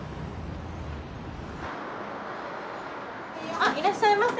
あいらっしゃいませ。